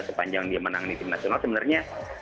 sepanjang dia menangani tim nasional sebenarnya